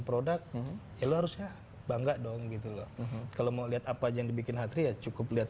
produk lo harusnya bangga dong gitu loh kalau mau lihat apa aja yang dibikin hatry ya cukup lihat